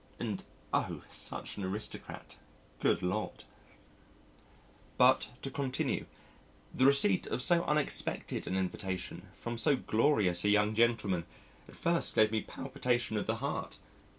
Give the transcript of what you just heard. and O! such an aristocrat. Good Lord. But to continue: the receipt of so unexpected an invitation from so glorious a young gentleman at first gave me palpitation of the heart.